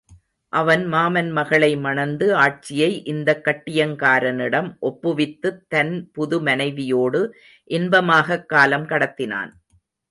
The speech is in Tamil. அவன் மாமன் மகளை மணந்து ஆட்சியை இந்தக் கட்டியங்காரனிடம் ஒப்புவித்துத் தன் புது மனைவியோடு இன்பமாகக் காலம் கடத்தினான்.